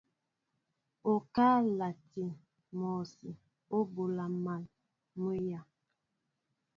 Okáá nlatin mɔsí o ɓola mal mwenya.